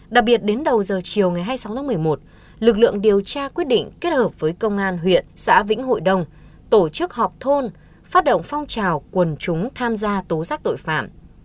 đặc biệt đến đầu giờ chiều ngày hai mươi sáu tháng một mươi một lực lượng điều tra quyết định kết hợp với công an huyện xã vĩnh hội đồng tổ chức họp thôn phát động phong trào quần chúng tham gia tố giác tội phạm